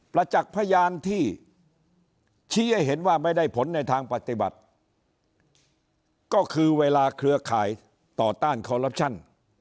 ประจักษ์พยานที่ชี้ให้เห็นว่าไม่ได้ผลในทางปฏิบัติก็คือเวลาเครือข่ายต่อต้านคอลลับชั่น